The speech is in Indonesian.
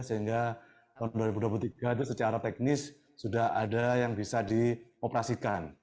sehingga tahun dua ribu dua puluh tiga secara teknis sudah ada yang bisa dioperasikan